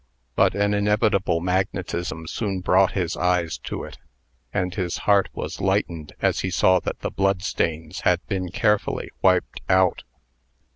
But an inevitable magnetism soon brought his eyes to it, and his heart was lightened as he saw that the blood stains had been carefully wiped out.